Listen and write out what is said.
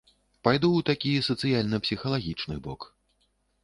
Пайду ў такі сацыяльна-псіхалагічны бок.